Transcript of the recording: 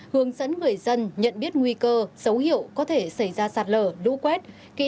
hướng dẫn người dân nhận biết nguy cơ dấu hiệu có thể xảy ra sạt lở lũ quét